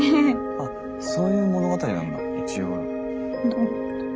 あっそういう物語なんだ。